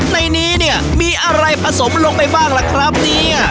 ในนี้เนี่ยมีอะไรผสมลงไปบ้างล่ะครับเนี่ย